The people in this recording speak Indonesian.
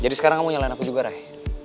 jadi sekarang kamu nyalahin aku juga ray